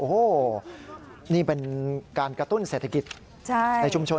โอ้โหนี่เป็นการกระตุ้นเศรษฐกิจในชุมชน